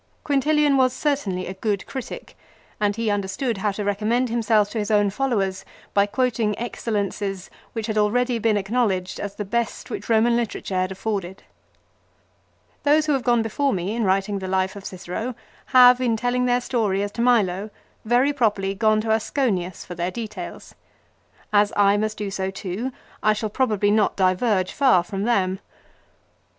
Quintilian was certainly a good critic ; and he under stood how to recommend himself to his own followers by quoting excellences which had already been acknowledged as the best which Eoman literature had afforded. Those who have gone before me in writing the life of Cicero have, in telling their story as to Milo, very properly gone to Asconius for their details. As I must do so too, I shall probably not diverge far from them.